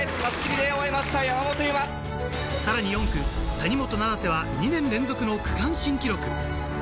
さらに４区・谷本七星は２年連続の区間新記録。